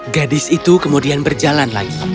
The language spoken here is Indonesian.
gadis itu kemudian berjalan lagi